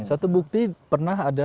satu bukti pernah ada